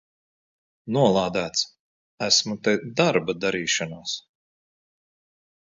Nolādēts! Esmu te darba darīšanās!